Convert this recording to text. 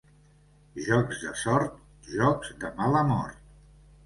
Jocs de sort, jocs de mala mort.